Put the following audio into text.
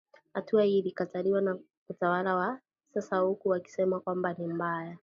Hatua hii ilikataliwa na utawala wa sasa huku wakisema kwamba ni mbaya